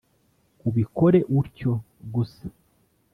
• ubikore utyo. gusa